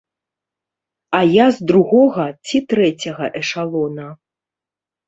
А я з другога ці трэцяга эшалона.